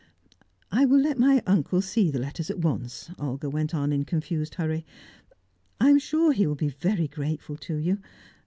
"I will let my uncle see the letters at once," Olga went on, in confused hurry. "I am sure he will be very grateful to you.